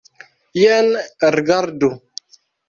Jen rigardu!